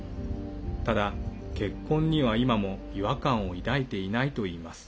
ただ、結婚には今も違和感を抱いていないといいます。